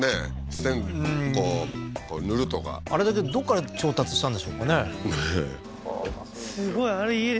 栓こう塗るとかあれだけどっから調達したんでしょうかねねえうわ